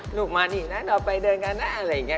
หนูมานี่นะเดี๋ยวไปเดินกันนะอะไรอย่างนี้